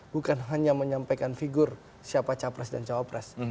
bukan hanya menyampaikan figur siapa capres dan cawapres